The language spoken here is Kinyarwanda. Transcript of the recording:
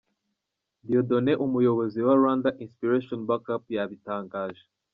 Dieudonné, umuyobozi wa Rwanda Inspiration Back Up yabitangaje.